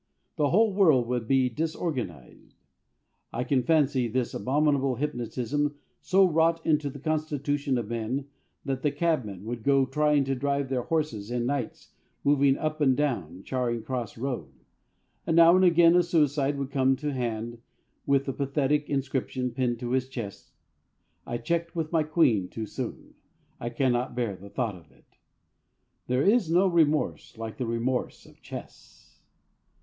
The whole world would be disorganised. I can fancy this abominable hypnotism so wrought into the constitution of men that the cabmen would go trying to drive their horses in Knights' moves up and down Charing Cross Road. And now and again a suicide would come to hand with the pathetic inscription pinned to his chest: "I checked with my Queen too soon. I cannot bear the thought of it." There is no remorse like the remorse of chess.